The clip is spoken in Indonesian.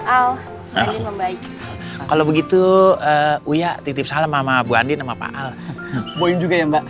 al dan mbak al kalau begitu uya titip salam sama bu andin sama pak al bohong juga ya mbak